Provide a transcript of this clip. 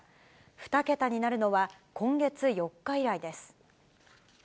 ２桁になるのは今月４日以来です。